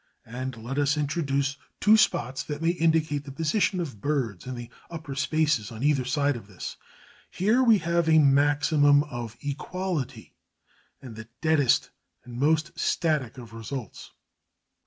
And let us introduce two spots that may indicate the position of birds in the upper spaces on either side of this. Here we have a maximum of equality and the deadest and most static of results.